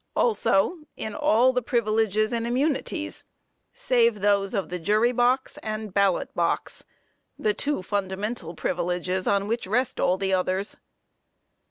Also, in all the privileges and immunities, save those of the jury box and ballot box, the two fundamental privileges on which rest all the others.